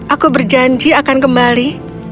aku berjanji akan kembali